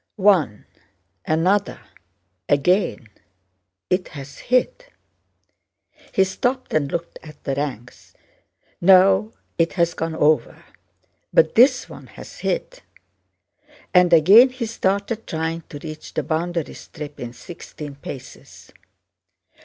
"One, another! Again! It has hit...." He stopped and looked at the ranks. "No, it has gone over. But this one has hit!" And again he started trying to reach the boundary strip in sixteen paces.